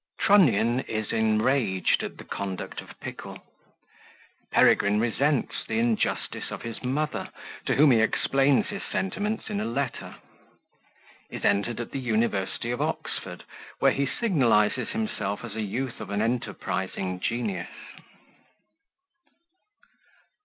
Trunnion is enraged at the conduct of Pickle Peregrine resents the Injustice of his Mother, to whom he explains his Sentiments in a Letter Is entered at the University of Oxford, where he signalizes himself as a Youth of an enterprising Genius.